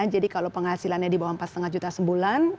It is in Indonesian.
kalau penghasilannya di bawah empat lima juta sebulan